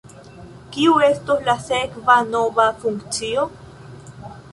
Kiu estos la sekva nova funkcio?